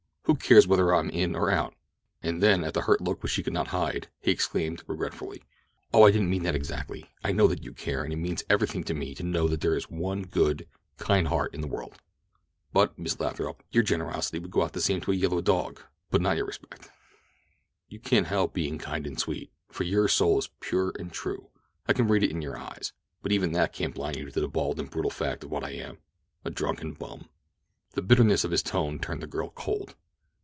Who cares whether I am in or out?" And then at the hurt look which she could not hide, he exclaimed, regretfully: "Oh, I didn't mean that exactly—I know that you care, and it means everything to me to know that there is one good, kind heart in the world; but, Miss Lathrop, your generosity would go out the same to a yellow dog—but not your respect. "You can't help being kind and sweet, for your soul is pure and true—I can read it in your eyes; but even that can't blind you to the bald and brutal fact of what I am—a drunken bum." The bitterness of his tone turned the girl cold.